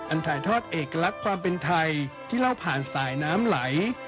ถ่ายทอดเอกลักษณ์ความเป็นไทยที่เล่าผ่านสายน้ำไหล